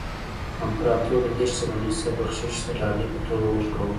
امپراتور له دې شتمنۍ څخه بخشش د ډالۍ په توګه ورکاوه.